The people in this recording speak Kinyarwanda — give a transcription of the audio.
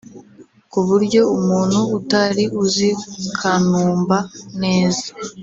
ku buryo umuntu utari uzi Kanumba neza